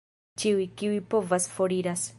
Ĉiuj, kiuj povas, foriras.